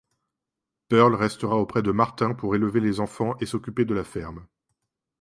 Pearl restera auprès de Martin pour élever les enfants et s'occuper de la ferme.